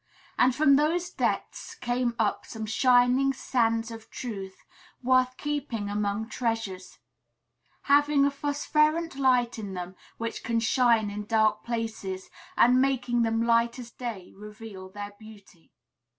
And from those depths came up some shining sands of truth, worth keeping among treasures; having a phosphorescent light in them, which can shine in dark places, and, making them light as day, reveal their beauty.